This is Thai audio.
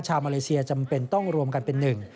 มาเลเซียจำเป็นต้องรวมกันเป็นหนึ่ง